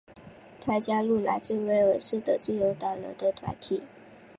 他加入来自威尔士的自由党人的团体。